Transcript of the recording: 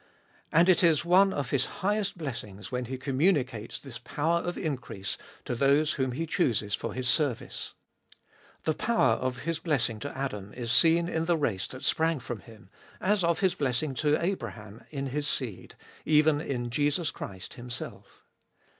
And it is one of His highest blessings when He communicates this power of increase to those whom He chooses for His service. The power of His blessing to Adam is seen in the race that sprang from him, as of His blessing to Abraham in his seed, even in Jesus Christ Himself.